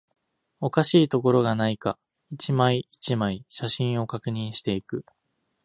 おかしいところがないか、一枚、一枚、写真を確認していく